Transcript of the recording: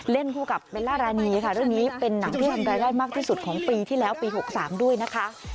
คู่กับเบลล่ารานีค่ะเรื่องนี้เป็นหนังที่ทำรายได้มากที่สุดของปีที่แล้วปี๖๓ด้วยนะคะ